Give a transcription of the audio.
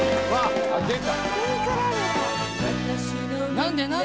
何で何で？